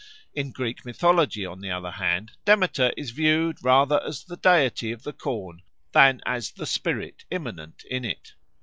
In Greek mythology, on the other hand, Demeter is viewed rather as the deity of the corn than as the spirit immanent in it.